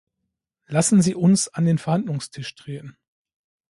Lassen Sie uns an den Verhandlungstisch treten!